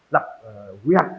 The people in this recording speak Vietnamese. lập quy hạn